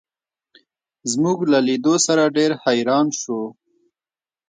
زموږ له لیدو سره ډېر حیران شو.